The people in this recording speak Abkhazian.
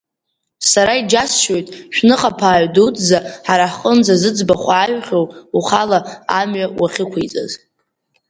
Сара иџьасшьоит шәныхаԥааҩ дуӡӡа, ҳара ҳҟынӡа зыӡбахә ааҩхьоу, ухала амҩа уахьықәиҵаз.